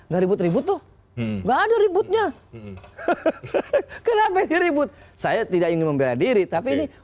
dari butuh butuh enggak ada ributnya kenapa diribut saya tidak ingin membela diri tapi